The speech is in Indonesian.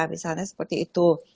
misalnya seperti itu